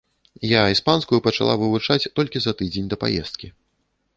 Я іспанскую пачала вывучаць толькі за тыдзень да паездкі.